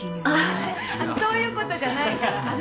あっあのそういうことじゃないから。